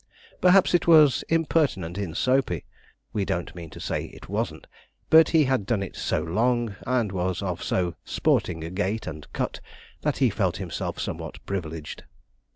Perhaps it was impertinent in Soapey we don't mean to say it wasn't but he had done it so long, and was of so sporting a gait and cut, that he felt himself somewhat privileged.